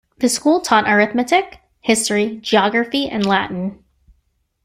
The school taught arithmetic, history, geography and Latin.